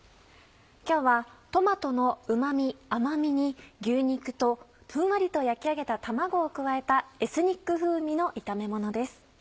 今日はトマトのうま味甘味に牛肉とふんわりと焼き上げた卵を加えたエスニック風味の炒めものです。